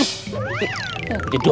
eh dia jodin lu